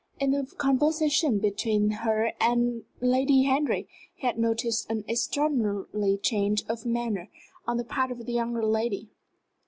In the conversation between her and Lady Henry he had noticed an extraordinary change of manner on the part of the younger lady.